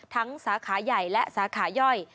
สาขาใหญ่และสาขาย่อย